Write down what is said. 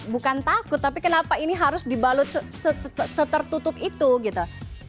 bukan takut tapi kenapa ini harus dibalut setertutup itu gitu